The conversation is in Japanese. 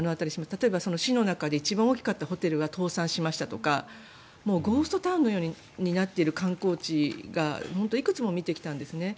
例えば、市の中で一番大きかったホテルが倒産したとかゴーストタウンのようになっている観光地をいくつも見てきたんです。